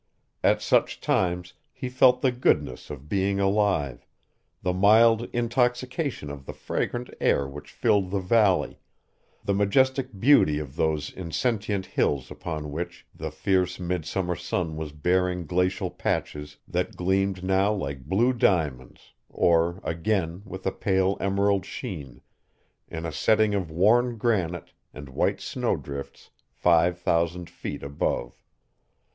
At such times he felt the goodness of being alive, the mild intoxication of the fragrant air which filled the valley, the majestic beauty of those insentient hills upon which the fierce midsummer sun was baring glacial patches that gleamed now like blue diamonds or again with a pale emerald sheen, in a setting of worn granite and white snowdrifts five thousand feet above.